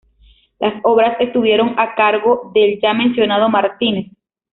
Las obras estuvieron a cargo del ya mencionado Martínez.